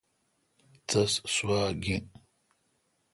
تس سوا گین۔